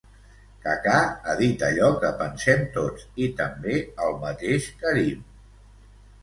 Kaká ha dit allò que pensem tots i també el mateix Karim.